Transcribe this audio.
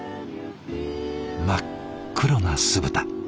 真っ黒な酢豚。